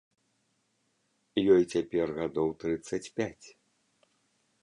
Ёй цяпер гадоў трыццаць пяць.